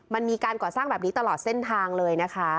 มันมีการก่อสร้างแบบนี้ตลอดเส้นทางเลยนะคะ